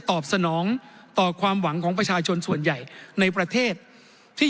สนองต่อความหวังของประชาชนส่วนใหญ่ในประเทศที่